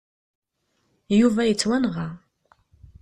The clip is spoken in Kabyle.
Yuba yettwanɣa.